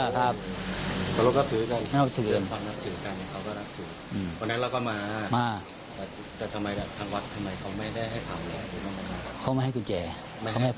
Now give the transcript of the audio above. เขาบอกว่าก็เขาหากุญแจไม่เจอ